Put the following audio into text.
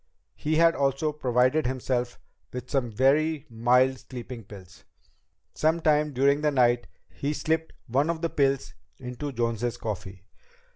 He had also provided himself with some very mild sleeping pills. Sometime during the night he slipped one of the pills into Jones's coffee.